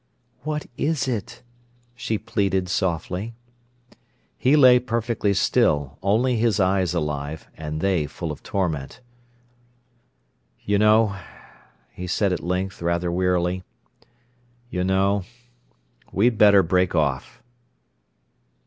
"What is it?" she pleaded softly. He lay perfectly still, only his eyes alive, and they full of torment. "You know," he said at length, rather wearily—"you know—we'd better break off."